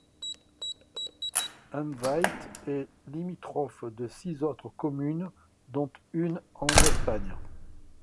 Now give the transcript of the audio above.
Enveitg est limitrophe de six autres communes dont une en Espagne.